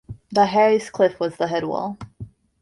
The highest cliff was the headwall.